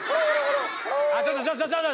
ちょっとちょっと。